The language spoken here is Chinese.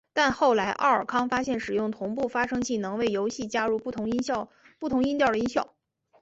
但后来奥尔康发现使用同步发生器能为游戏加入不同音调的音效。